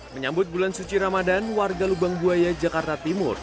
menyambut bulan suci ramadan warga lubang buaya jakarta timur